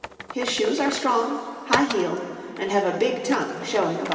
His shoes are strong, high heeled, and have a big tongue showing above the buckle.